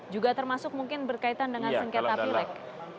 juga termasuk mungkin berkaitan dengan singkat api lek